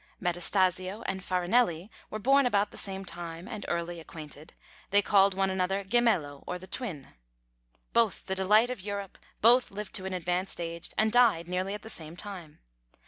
Metastasio and Farinelli were born about the same time, and early acquainted. They called one another Gemello, or The Twin, both the delight of Europe, both lived to an advanced age, and died nearly at the same time.